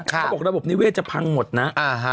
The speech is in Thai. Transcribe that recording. เขาบอกระบบนิเวศจะพังหมดนะ